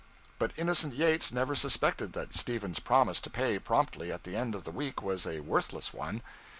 But innocent Yates never suspected that Stephen's promise to pay promptly at the end of the week was a worthless one.